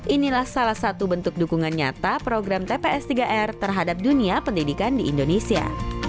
inilah salah satu bentuk dukungan nyata program tps tiga r terhadap dunia pendidikan di indonesia